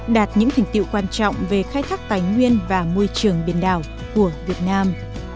đạt những thành tiệu quan trọng về khai thác tài nguyên và môi trường biển đảo của việt nam